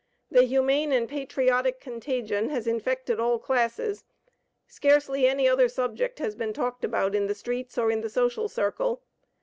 The humane and patriotic contagion has infected all classes. Scarcely any other subject has been talked about in the streets, or in the social circle.